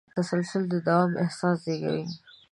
تسلسل د دوام احساس زېږوي.